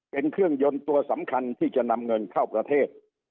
เป็นเครื่องยนต์ตัวสำคัญที่จะนำเงินเข้าประเทศ